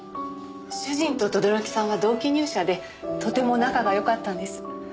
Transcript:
主人と轟さんは同期入社でとても仲がよかったんです。